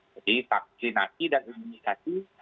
jadi vaksinasi dan imunisasi